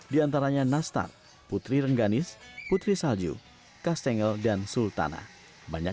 di antaranya nastar putri rengganis putri salju kastengel dan sultana banyak